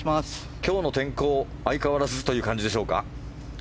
今日の天候、相変わらずという感じでしょうか？